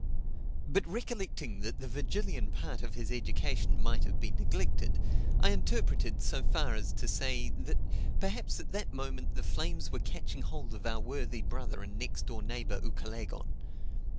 But recollecting that the Virgilian part of his education might have been neglected, I interpreted so far as to say, that perhaps at that moment the flames were catching hold of our worthy brother and next door neighbor Ucalegon.